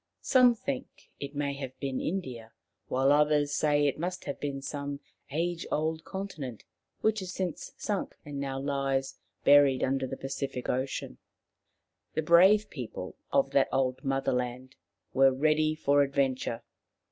Some think it may have been India, while others say it must have been some age old continent which has since sunk and now lies buried under the Pacific Ocean. The brave people of that old Motherland were ready for adventure.